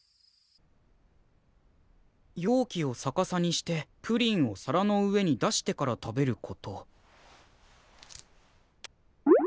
「容器を逆さにしてプリンを皿の上に出してから食べること」。